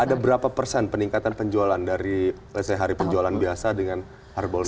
ada berapa persen peningkatan penjualan dari let's say hari penjualan biasa dengan hardball nas